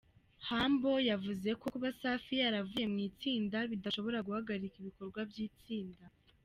Humble yavuze ko kuba Safi yaravuye mu itsinda bidashobora guhagarika ibikorwa by’itsinda.